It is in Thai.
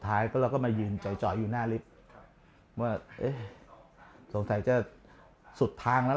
ท้ายก็แล้วก็มายืนจ่อยอยู่หน้าลิฟท์ว่าสงสัยจะสุดทางแล้ว